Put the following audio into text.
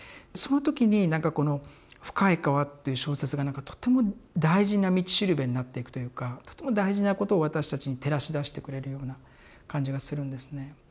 その時になんかこの「深い河」っていう小説がとても大事な道しるべになっていくというかとても大事なことを私たちに照らしだしてくれるような感じがするんですね。